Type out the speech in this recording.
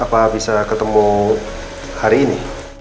apa bisa ketemu hari ini